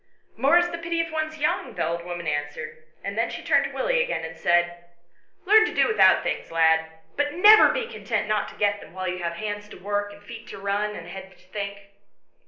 " More's the pity if one's young," the old woman answered ; and then she turned to Willie again and said, " Learn to do without things, lad ; but never to XL] THE STORY OF WILLIE AND FANCY. 109 be content not to get them while you have hands to work, and feet to run, and a head to think.